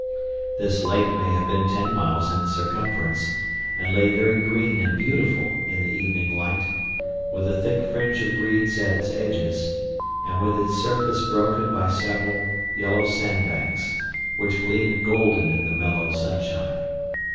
This lake may have been ten miles in circumference, and lay very green and beautiful in the evening light, with a thick fringe of reeds at its edges, and with its surface broken by several yellow sandbanks, which gleamed golden in the mellow sunshine.